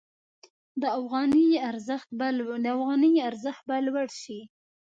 د افغانۍ ارزښت به لوړ شي.